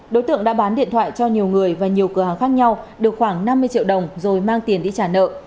đối tượng đã bán điện thoại cho nhiều người và nhiều cửa hàng khác nhau được khoảng năm mươi triệu đồng rồi mang tiền đi trả nợ